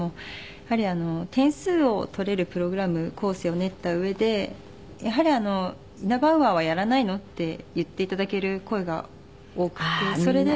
やはり点数を取れるプログラム構成を練った上でやはりイナバウアーはやらないの？って言って頂ける声が多くてそれで。